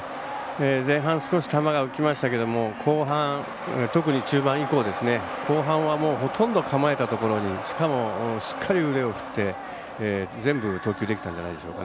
前半、少し球が浮きましたけど後半、特に中盤以降後半はほとんど構えたところしかもしっかり腕を振って全部投球できたんじゃないでしょうか。